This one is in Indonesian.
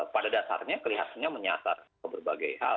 pada dasarnya kelihatannya menyasar ke berbagai hal